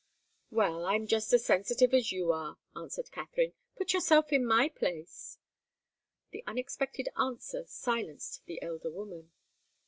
"Well I'm just as sensitive as you are," answered Katharine. "Put yourself in my place." The unexpected answer silenced the elder woman.